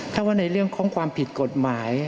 ถ้าว่าในเรื่องของความผิดกฎหมาย